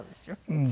うん。